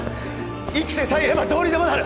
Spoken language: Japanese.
生きてさえいればどうにでもなる